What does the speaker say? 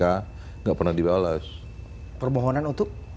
tidak pernah dibalas permohonan untuk